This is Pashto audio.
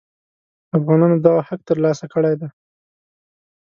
افغانانو دغه حق تر لاسه کړی دی.